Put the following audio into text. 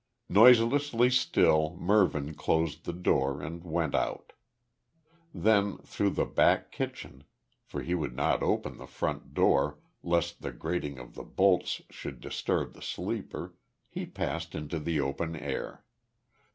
Noiselessly still, Mervyn closed the door, and went out. Then, through the back kitchen for he would not open the front door lest the grating of the bolts should disturb the sleeper he passed into the open air.